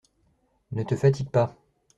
Ne te fatigue pas.